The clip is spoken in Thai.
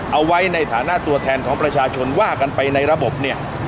เอาไว้ในฐานะตัวแทนของประชาชนว่ากันไปในระบบเนี่ย